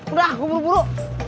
udah gue buru buru